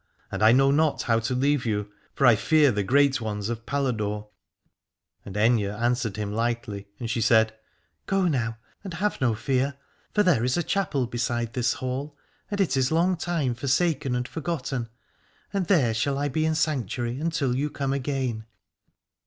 And I know not how to leave you, for I fear the great 343 Alad ore ones of Paladore. And Aithne answered him lightly, and she said : Go now, and have no fear : for there is a chapel beside this Hall, and it is long time forsaken and forgotten, and there shall I be in sanctuary, until you come again.